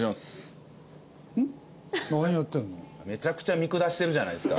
めちゃくちゃ見下してるじゃないですか。